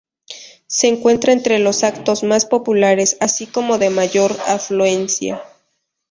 Se cuenta entre los actos más populares así como de mayor afluencia.